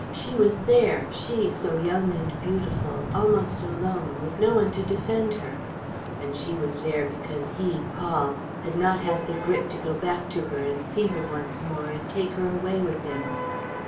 She was there, she so young and beautiful, almost alone, with no one to defend her! And she was there because he, Paul, had not had the grit to go back to her and see her once more and take her away with him!